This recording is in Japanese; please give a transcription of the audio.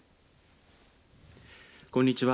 こんにちは。